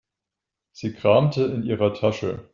Sie kramte in ihrer Tasche.